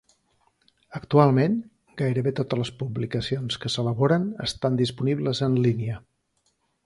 Actualment, gairebé totes les publicacions que s'elaboren estan disponibles en línia.